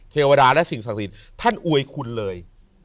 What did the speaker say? เทวดาและสิ่งศักดิ์สิทธิ์ท่านอวยคุณเลย